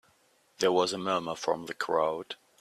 There was a murmur from the crowd.